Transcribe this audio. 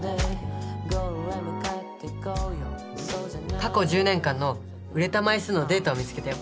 過去１０年間の売れた枚数のデータを見つけたよ。